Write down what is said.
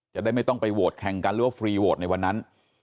จะได้ไม่ต้องไปโหวตแข่งกันหรือว่าฟรีโหวตในวันนั้น